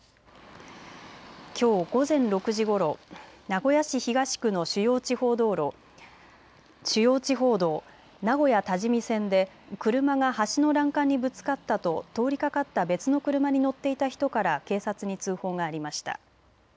きょう午前６時ごろ名古屋市東区の主要地方道、名古屋多治見線で車が橋の欄干にぶつかったと通りかかった別の車に乗っていた人から警察に通報がありました。